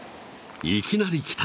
いきなり来た！